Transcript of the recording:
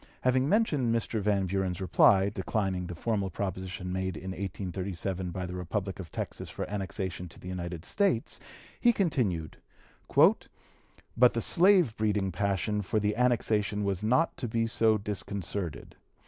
Having mentioned Mr. Van Buren's reply, declining the formal proposition made in 1837 by the Republic of Texas for annexation to the United States, he continued: "But the slave breeding passion for the annexation was not to be so disconcerted.